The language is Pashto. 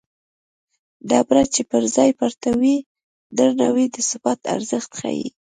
ډبره چې پر ځای پرته وي درنه وي د ثبات ارزښت ښيي